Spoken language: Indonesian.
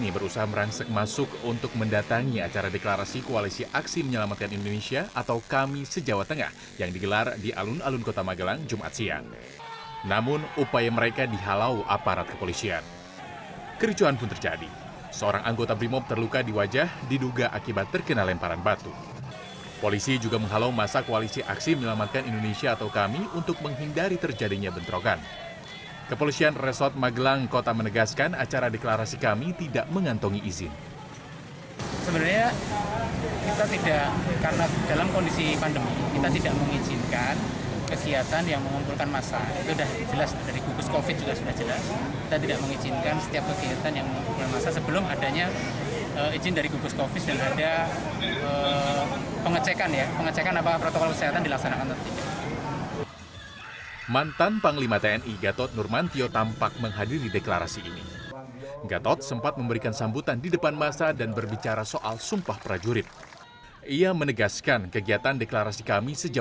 berbicara mengenai eskalasi pawawan karena memang penolakan ini tidak hanya terjadi di satu daerah saja